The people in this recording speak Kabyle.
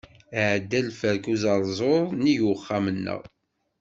Iɛedda lferk uẓerzur nnig uxxam-nneɣ.